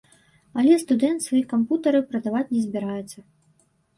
Але студэнт свае кампутары прадаваць не збіраецца.